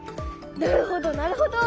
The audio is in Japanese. なるほどなるほど。